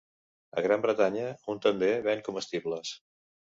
A Gran Bretanya, un tender ven comestibles.